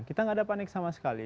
kita nggak ada panik sama sekali